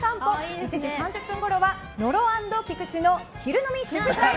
１時３０分ごろは野呂＆菊地の昼飲み主婦会！